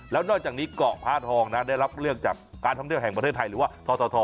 แล้วนอกจากนี้เกาะผ้าทองนะได้รับเลือกจากการท่องเที่ยวแห่งประเทศไทยหรือว่าทท